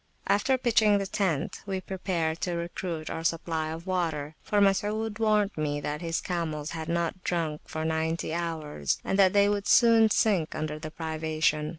After pitching the tent, we prepared to recruit our supply of water; for Masud warned me that his camels had not drunk for ninety hours, and that they would soon sink under the privation.